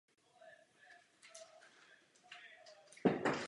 V obci stojí římskokatolický kostel Nanebevzetí Panny Marie.